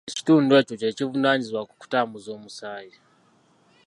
Ekitundu ekyo kye kivunaanyizibwa ku kutambuza omusaayi